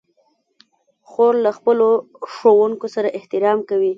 خور له خپلو ښوونکو سره احترام کوي.